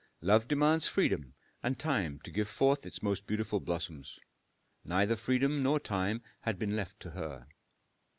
Love demands freedom and time to give forth its most beautiful blossoms; neither freedom nor time had been left to her.